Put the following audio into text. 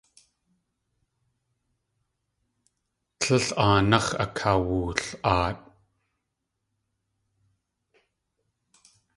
Tlél aanáx̲ akawul.aat.